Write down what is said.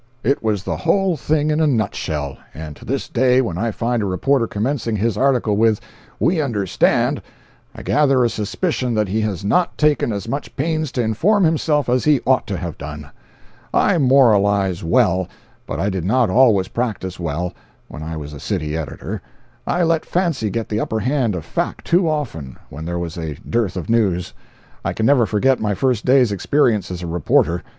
It was the whole thing in a nut shell; and to this day when I find a reporter commencing his article with "We understand," I gather a suspicion that he has not taken as much pains to inform himself as he ought to have done. I moralize well, but I did not always practise well when I was a city editor; I let fancy get the upper hand of fact too often when there was a dearth of news. I can never forget my first day's experience as a reporter.